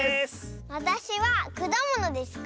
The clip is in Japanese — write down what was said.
わたしはくだものですか？